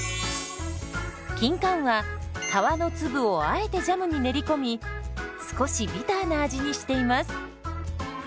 キンカンは皮の粒をあえてジャムに練り込み少しビターな味にしています。